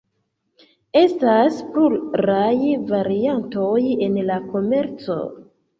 Estas pluraj variantoj en la komerco.